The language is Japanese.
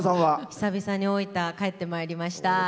久々に大分帰ってまいりました。